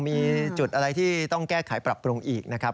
มีจุดอะไรที่ต้องแก้ไขปรับปรุงอีกนะครับ